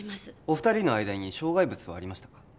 二人の間に障害物はありました？